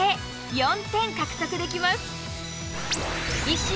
４点獲得できます。